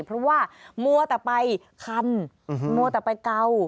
เพราะว่ามัวแต่ไปคันมัวแต่ไปเกา